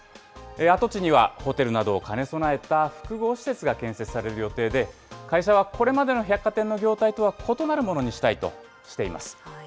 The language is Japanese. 跡地にはホテルなどを兼ね備えた複合施設が建設される予定で、会社はこれまでの百貨店の業態とは異なるものにしたいとしています。